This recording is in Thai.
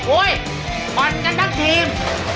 โอ้ยมันกันนะทีม